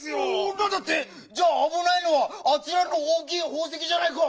なんだって⁉じゃああぶないのはあちらのおおきいほうせきじゃないか！